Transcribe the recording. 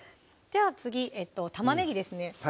じゃあ次玉ねぎですね